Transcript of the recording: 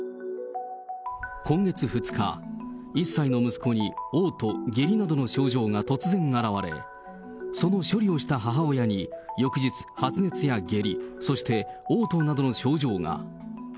今月２日、１歳の息子におう吐、下痢などの症状が突然現れ、その処理をした母親に翌日、発熱や下痢、そしておう吐などの症状が。